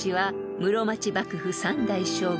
室町幕府３代将軍